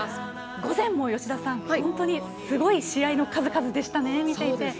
午前も吉田さん、本当にすごい試合の数々でしたね。